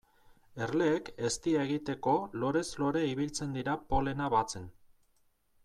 Erleek eztia egiteko lorez lore ibiltzen dira polena batzen.